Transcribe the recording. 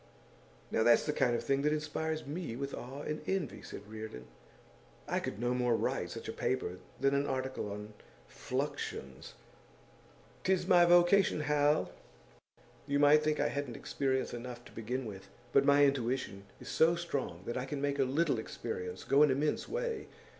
'Now that's the kind of thing that inspires me with awe and envy,' said Reardon. 'I could no more write such a paper than an article on Fluxions.' ''Tis my vocation, Hal! You might think I hadn't experience enough, to begin with. But my intuition is so strong that I can make a little experience go an immense way.